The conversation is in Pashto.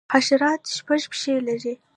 حشرات شپږ پښې لري